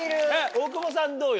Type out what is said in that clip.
大久保さんどうよ？